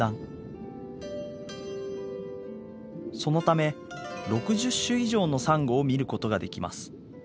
そのため６０種以上のサンゴを見ることができます。